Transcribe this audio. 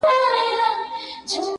قاضي و ویل حاضر کئ دا نا اهله,